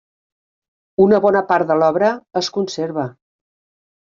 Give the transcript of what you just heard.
Una bona part de l'obra es conserva.